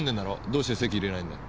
どうして籍を入れないんだ？